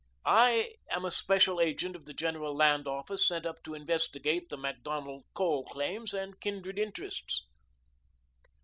I am a special agent of the General Land Office sent up to investigate the Macdonald coal claims and kindred interests."